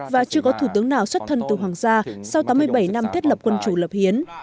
và chưa có thủ tướng nào xuất thân từ hoàng gia sau tám mươi bảy năm thiết lập quân chủ lập hiến